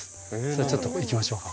じゃあちょっと行きましょうか？